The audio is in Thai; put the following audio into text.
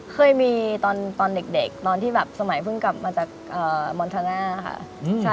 เคยมีตอนเด็กตอนที่แบบสมัยเพิ่งกลับมาจากมอนทาน่าค่ะ